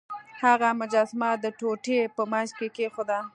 هغه مجسمه د ټوټې په مینځ کې کیښوده.